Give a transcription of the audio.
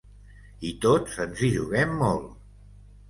I tots ens hi juguem molt.